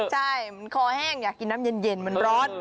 ใช่มันคอแห้งอยากกินน้ำเย็นมันร้อน